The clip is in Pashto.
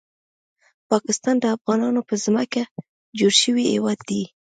پاکستان د افغانانو په ځمکه جوړ شوی هیواد دی